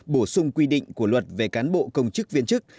bổ sung quy định của luật về cán bộ công chức viên chức